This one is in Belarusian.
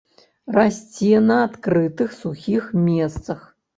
Расце на адкрытых, сухіх месцах.